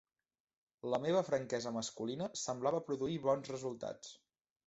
La meva franquesa masculina semblava produir bons resultats.